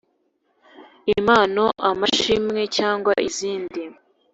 Impano amashimwe cyangwa izindi